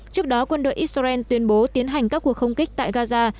trước đó quân đội israel tuyên bố tiến hành các cuộc không kích tại gaza